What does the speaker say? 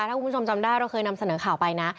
ถ้าคุณผู้ชมจำได้เราเคยนำเสนอข่าวไปนะ